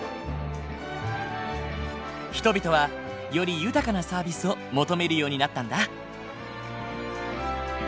人々はより豊かなサービスを求めるようになったんだ。